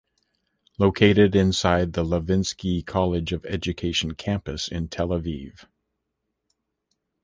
Located inside the Levinsky College of Education campus in Tel Aviv.